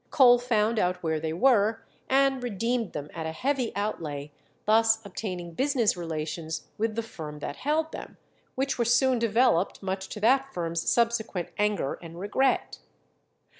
Cole found out where they were, and redeemed them at a heavy outlay, thus obtaining business relations with the firm that held them, which were soon developed, much to that firm's subsequent anger and regret.